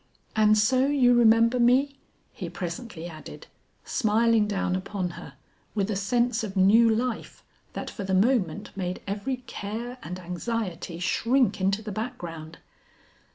"And so you remember me?" he presently added, smiling down upon her with a sense of new life that for the moment made every care and anxiety shrink into the background.